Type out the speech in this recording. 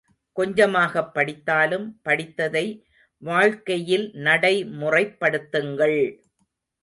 கொஞ்சமாகப் படித்தாலும், படித்ததை வாழ்க்கையில் நடை முறைப்படுத்துங்கள்!